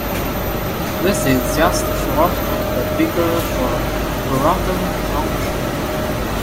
This is just short of the figure for Burradon township.